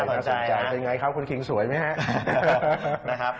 เป็นอย่างไรครับคุณคลิงสวยไหม